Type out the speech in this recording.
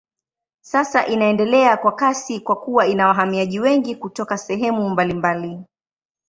Sasa inaendelea kwa kasi kwa kuwa ina wahamiaji wengi kutoka sehemu mbalimbali.